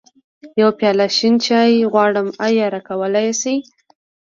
يوه پياله شين چای غواړم، ايا راکولی يې شې؟